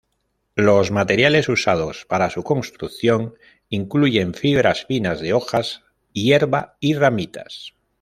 Los materiales usados para su construcción incluyen fibras finas de hojas, hierba y ramitas.